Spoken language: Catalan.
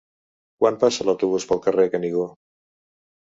Quan passa l'autobús pel carrer Canigó?